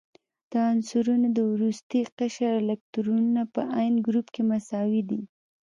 د عنصرونو د وروستي قشر الکترونونه په عین ګروپ کې مساوي دي.